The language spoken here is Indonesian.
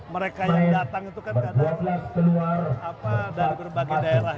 mereka yang datang